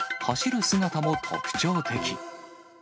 走る姿も特徴的。